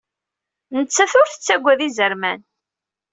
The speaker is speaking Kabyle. Nettat ur tettagad izerman.